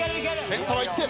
点差は１点。